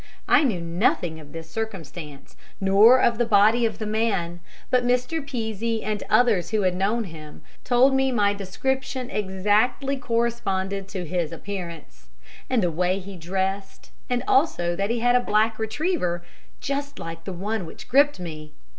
I knew nothing of this circumstance, nor of the body of the man, but Mr. Pease and others who had known him, told me my description exactly corresponded to his appearance and the way he dressed, and also that he had a black retriever just like the one which gripped me.